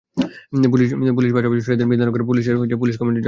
পাশাপাশি তিনি সরিয়ে দেন বিধাননগর পুলিশ কমিশনারেটের পুলিশ কমিশনার জাভেদ শামীমকে।